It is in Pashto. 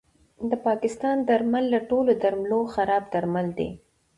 د پاکستان درمل له ټولو درملو خراب درمل دي